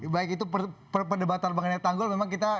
baik itu perdebatan mengenai tanggul memang kita